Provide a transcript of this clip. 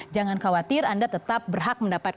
jangan khawatir anda tetap berhak mendapatkan